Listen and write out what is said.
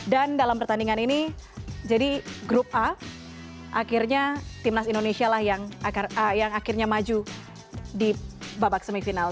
dan dalam pertandingan ini jadi grup a akhirnya timnas indonesia lah yang akhirnya maju di babak semifinal